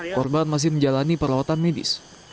korban masih menjalani perawatan medis